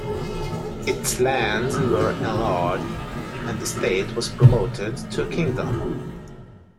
Its lands were enlarged and the state was promoted to a kingdom.